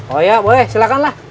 oh ya boleh silakan lah